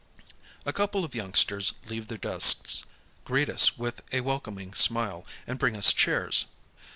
A couple of youngsters leave their desks, greet us with a welcoming smile, and bring us chairs.